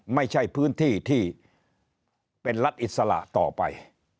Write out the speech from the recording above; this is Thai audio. ไม่ใช่พื้นที่ที่เป็นรัฐอิสระต่อไป